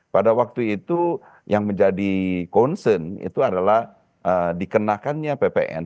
pada waktu itu yang menjadi concern itu adalah dikenakannya ppn